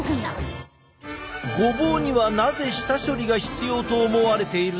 ごぼうにはなぜ下処理が必要と思われているのか？